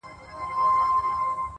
زما د ميني ليونيه” ستا خبر نه راځي”